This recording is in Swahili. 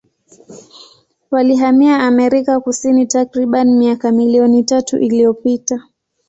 Walihamia Amerika Kusini takribani miaka milioni tatu iliyopita.